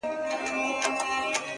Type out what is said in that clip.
o هغه به څرنګه بلا وویني؛